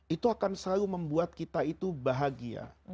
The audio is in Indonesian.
itu akan selalu membuat kita itu bahagia